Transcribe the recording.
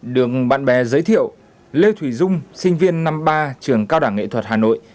đường bạn bè giới thiệu lê thủy dung sinh viên năm ba trường cao đẳng nghệ thuật hà nội